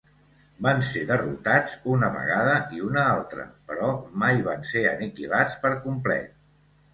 Van ser derrotats una vegada i una altra, però mai van ser aniquilats per complet.